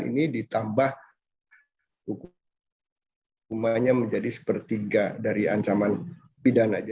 ini ditambah hukumannya menjadi sepertiga dari ancaman bidan aja